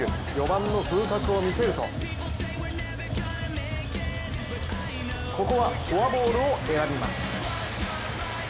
４番の風格を見せるとここはフォアボールを選びます。